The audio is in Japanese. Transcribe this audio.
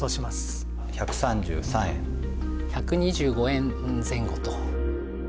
１２５円前後と。